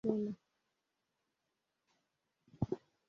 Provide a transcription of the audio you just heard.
অবশ্য সেগুলির মধ্যে দরকারী বিশেষ কিছু ছিল না।